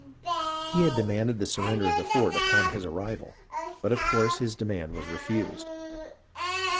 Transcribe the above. He had demanded the sur render of the fort upon his arrival, but of course his demand was refused.